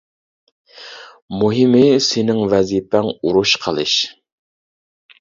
مۇھىمى، سېنىڭ ۋەزىپەڭ ئۇرۇش قىلىش.